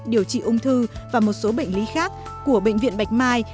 điều trị ung thư và một số bệnh lý khác của bệnh viện bạch mai